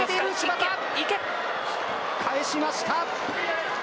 返しました。